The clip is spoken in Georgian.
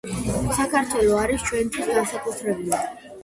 საქართველო არის ჩემთვის განსაკუთრებული